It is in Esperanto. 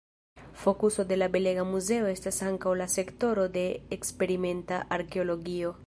Fokuso de la belega muzeo estas ankaŭ la sektoro de eksperimenta arkeologio.